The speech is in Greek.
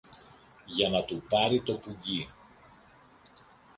για να του πάρει το πουγγί